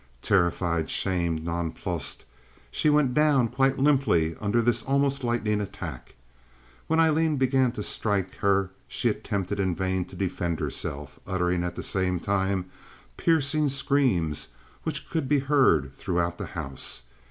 Terrified, shamed, nonplussed, she went down quite limply under this almost lightning attack. When Aileen began to strike her she attempted in vain to defend herself, uttering at the same time piercing screams which could be heard throughout the house.